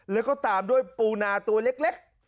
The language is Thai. แล้วก็ตามด้วยปูนาตัวเล็ก